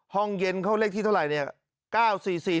ห้องเย็นเข้าเลขที่เท่าไหร่เนี่ย